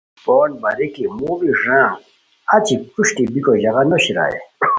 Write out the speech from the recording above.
پون باریکی موڑی ݱانگ اچی پروشٹی بیکو ژاغہ نو شیرائے